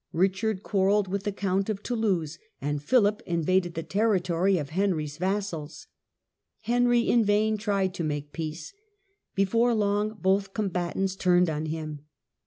Richard quarrelled with the Count of Toulouse, and Philip invaded the territory of Henry's vassals. Henry in vain tried to make peace. Before long both comba tants turned on him.